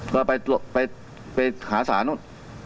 ก็ไปหาศาลนู้น